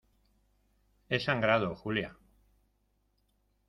he sangrado, Julia.